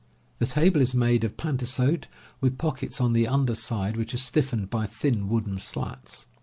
The table is made of pantasote, with pockets on the under side which are stiffened by thin wooden slats.